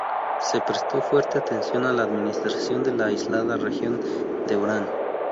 Se prestó fuerte atención a la administración de la aislada región de Orán.